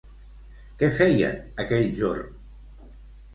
Què feien aquell jorn?